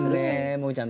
もえちゃん